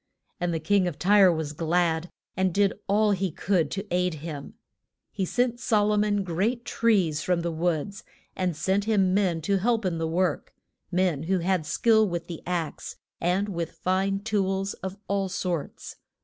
And the King of Tyre was glad, and did all he could to aid him. He sent So lo mon great trees from the woods, and sent him men to help in the work; men who had skill with the ax, and with fine tools of all sorts.